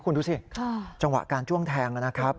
คุณดูสิจังหวะการจ้วงแทงนะครับ